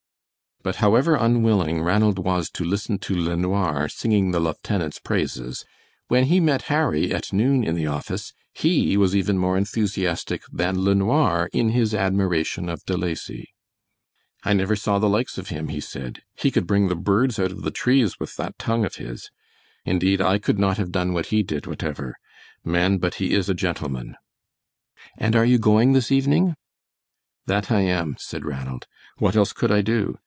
But however unwilling Ranald was to listen to LeNoir singing the lieutenant's praises, when he met Harry at noon in the office he was even more enthusiastic than LeNoir in his admiration of De Lacy. "I never saw the likes of him," he said. "He could bring the birds out of the trees with that tongue of his. Indeed, I could not have done what he did whatever. Man, but he is a gentleman!" "And are you going this evening?" "That I am," said Ranald. "What else could I do?